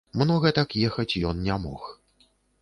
Многа так ехаць ён не мог.